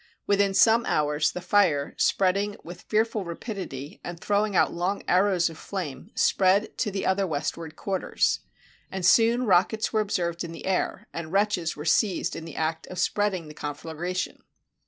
Within some hours the fire, spreading with fearful ra pidity, and throwing out long arrows of flame, spread to the other westward quarters. And soon rockets were observed in the air, and wretches were seized in the act of spreading the conflagration.